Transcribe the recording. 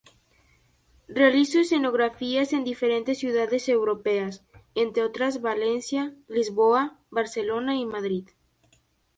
Realizó escenografías en diferentes ciudades europeas, entre otras Valencia, Lisboa, Barcelona y Madrid.